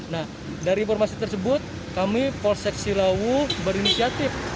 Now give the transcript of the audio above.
nah dari informasi tersebut kami polsek silawu berinisiatif